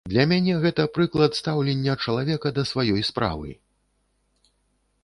Для мяне гэта прыклад стаўлення чалавека да сваёй справы.